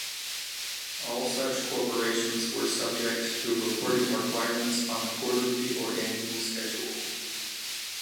All such corporations were subject to reporting requirements on a quarterly or annual schedule.